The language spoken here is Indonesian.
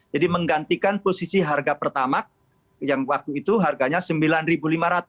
jadi menggantikan posisi harga pertama yang waktu itu harganya rp sembilan lima ratus